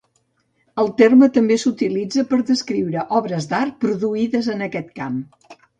El terme també s'utilitza per descriure obres d'art produïdes en aquest camp.